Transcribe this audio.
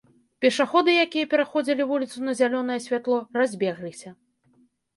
Пешаходы, якія пераходзілі вуліцу на зялёнае святло, разбегліся.